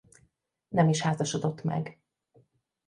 Nem is házasodott meg.